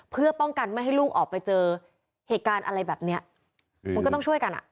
เพื่อป้องกันไม่ให้ลูกออกไปเจอเหตุการณ์อะไรแบบเนี้ยมันก็ต้องช่วยกันอ่ะ